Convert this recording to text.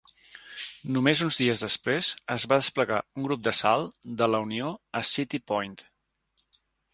Només uns dies després, es va desplegar un grup d'assalt de la Unió a City Point.